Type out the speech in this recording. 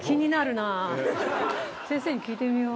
先生に聞いてみよう。